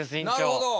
なるほど！